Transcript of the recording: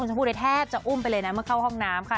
ชมพู่เลยแทบจะอุ้มไปเลยนะเมื่อเข้าห้องน้ำค่ะ